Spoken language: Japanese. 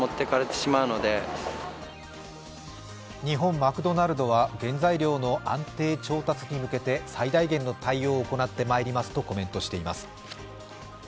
日本マクドナルドは原材料の安定調達に向けて最大限の対応を行ってまいりますとコメントしています。